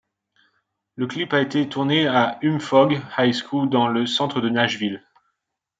Le clip a été tourné à Hume-Fogg High School dans le centre de Nashville.